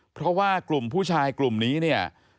เพราะว่ากลุ่มผู้ชายกลุ่มนี้เนี่ย